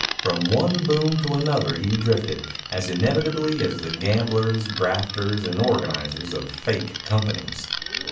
From one boom to another he drifted, as inevitably as the gamblers, grafters, and organizers of "fake" companies.